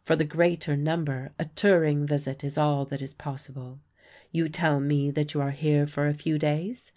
For the greater number a touring visit is all that is possible. You tell me that you are here for a few days.